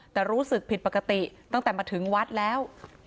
แต่รู้สึกผิดปกติตั้งแต่มาถึงวัดแล้ว